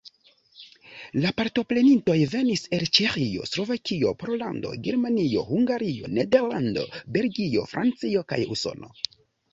La partoprenintoj venis el Ĉeĥio, Slovakio, Pollando, Germanio, Hungario, Nederlando, Belgio, Francio kaj Usono.